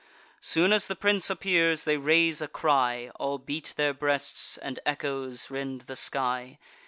Soon as the prince appears, they raise a cry; All beat their breasts, and echoes rend the sky.